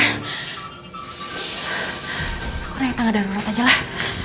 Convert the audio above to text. aku rehat tangan darurat aja lah